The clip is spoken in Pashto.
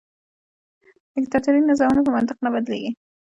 دیکتاتوري نظامونه په منطق نه بدلیږي.